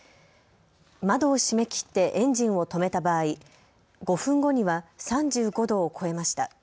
窓を閉めきってエンジンを止めた場合、５分後には３５度を超えました。